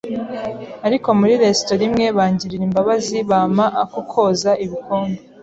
ariko muri Restaurant imwe bangirira imbabazi bampa ako koza ibikombe,